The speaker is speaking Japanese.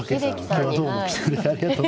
今日はどうも来てくれてありがとう。